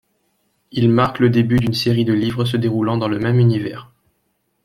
Il marque le début d'une série de livres se déroulant dans le même univers.